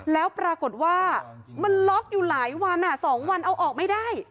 แล้วปรากฏว่ามันล็อกอยู่หลายวัน๒วันเอาออกไม่ได้